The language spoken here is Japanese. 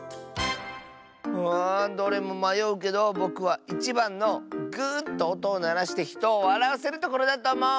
あどれもまようけどぼくは１ばんの「ぐとおとをならしてひとをわらわせるところ」だとおもう！